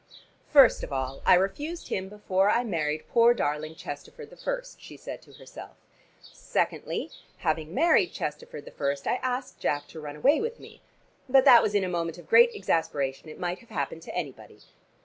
"First of all I refused him before I married poor darling Chesterford the first," she said to herself. "Secondly, having married Chesterford the first, I asked Jack to run away with me. But that was in a moment of great exasperation: it might have happened to anybody.